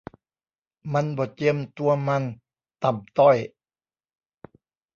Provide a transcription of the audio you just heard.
มันบ่เจียมตัวมัน ต่ำต้อย